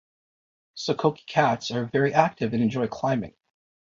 Sokoke cats are very active and enjoy climbing.